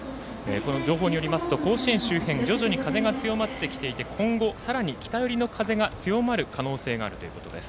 この情報によりますと甲子園周辺徐々に風が強まってきていて今後、さらに北寄りの風が強まる可能性があるということです